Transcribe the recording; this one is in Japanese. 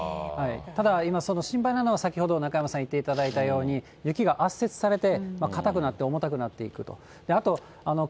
ただ、今、その心配なのは、先ほど、中山さん言っていただいたように、雪が圧雪されて、硬くなって、重たくなっていくと。